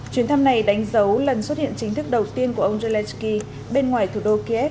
chuyến thăm này đánh dấu lần xuất hiện chính thức đầu tiên của ông zelensky bên ngoài thủ đô kiev